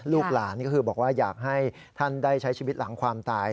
ลูกหลานก็คือบอกว่าอยากให้ท่านได้ใช้ชีวิตหลังความตาย